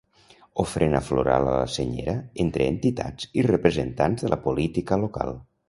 Ofrena floral a la senyera entre entitats i representants de la política local.